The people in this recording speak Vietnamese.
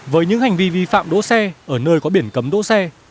với những hành vi vi phạm đỗ xe ở nơi có biển cấm đỗ xe